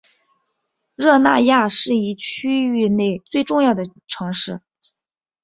热那亚是这一区域内最重要的城市。